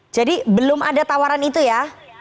jadi belum ada tawaran itu ya